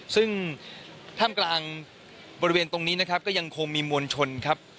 ซึ่งท่ามกลางบริเวณตรงนี้นะครับก็ยังคงมีมวลชนครับ